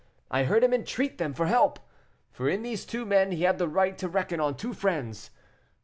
I heard him entreat them for help, for in these two men he had the right to reckon on two friends.